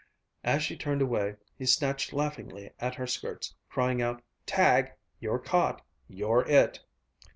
As she turned away, he snatched laughingly at her skirts, crying out, "Tag! You're caught! You're It!"